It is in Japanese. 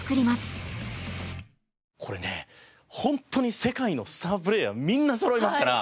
これねホントに世界のスタープレーヤーみんなそろいますから。